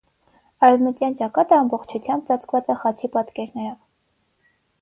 Արեւմտեան ճակատը ամբողջութեամբ ծածկուած է խաչի պատկերներով։